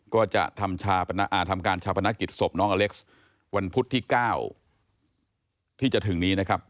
ก็จะทำการชาปนกิจศพน้องอเล็กซ์วันพุธที่๙ที่จะถึงนี้นะครับ